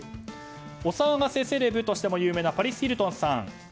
お騒がせセレブとしても有名な有名なパリス・ヒルトンさん